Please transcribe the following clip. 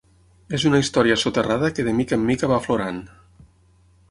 És una història soterrada que de mica en mica va aflorant.